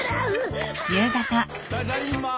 ただいま。